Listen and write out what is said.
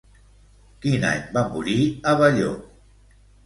Quin any va morir Abelló?